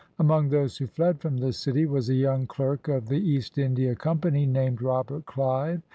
Among those who fled from the city was a young clerk of the East India Company named Robert Clive.